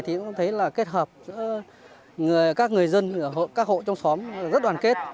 tôi thấy kết hợp các người dân các hộ trong xóm rất đoàn kết